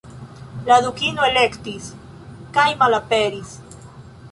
La Dukino elektis, kajmalaperis!